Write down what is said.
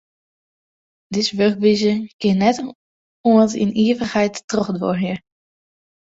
Dizze wurkwize kin net oant yn ivichheid trochduorje.